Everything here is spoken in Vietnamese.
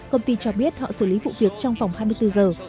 công ty cho biết họ xử lý vụ việc trong vòng hai mươi bốn giờ